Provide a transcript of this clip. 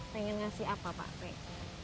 pengen ngasih apa pak